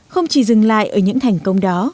không chỉ dừng lại ở những thành công đó